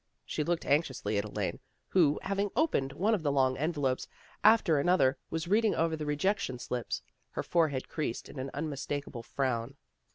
She looked anxiously at Elaine, who, having opened one of the long envelopes after another, was reading over the rejection slips, her forehead creased in an unmistakable frown.